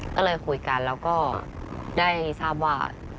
ก็เลยคุยกันแล้วก็ได้ทราบว่า